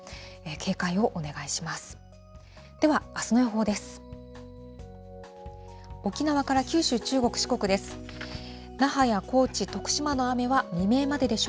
警戒をお願いします。